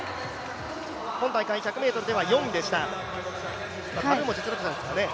今大会１００ｍでは４位でした、彼女も実力者ですよね。